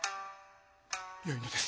よいのです。